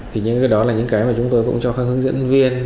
thì những cái đó là những cái mà chúng tôi cũng cho các hướng dẫn viên